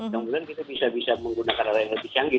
mungkin kita bisa bisa menggunakan alat yang lebih canggih